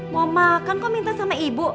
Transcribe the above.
mau makan kok minta sama ibu